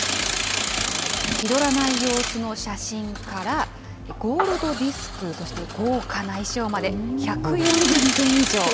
気取らない様子の写真から、ゴールドディスク、そして豪華な衣装まで、１４０点以上。